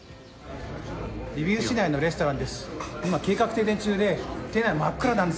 リビウ市内のレストランです。